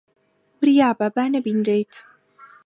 وریا بە با نەبینرێیت.